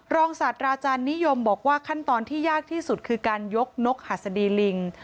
ศาสตราจารย์นิยมบอกว่าขั้นตอนที่ยากที่สุดคือการยกนกหัสดีลิง